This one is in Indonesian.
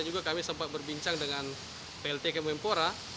dan juga kami sempat berbincang dengan plt kemempora